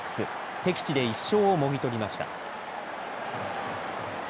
敵地で１勝をもぎ取りました。